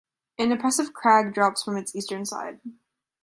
An impressive crag drops from its eastern side.